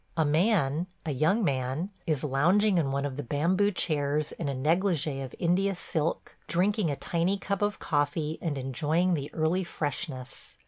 A man – a young man – is lounging in one of the bamboo chairs in a négligé of India silk – drinking a tiny cup of coffee and enjoying the early freshness.